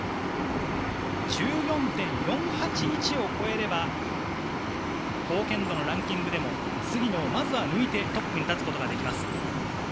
１４．４８１を超えれば貢献度のランキングでも杉野をまずは抜いて、トップに立つことができます。